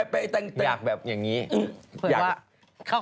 ไปแต่งโตอยากแบบอย่างนี้เผยว่าอยาก